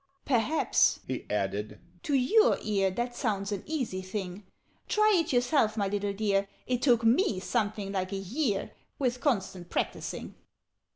"Perhaps," he added, "to your ear That sounds an easy thing? Try it yourself, my little dear! It took me something like a year, With constant practising.